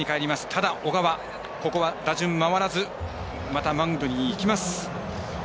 ただ、小川打順回らずまたマウンドに行きます。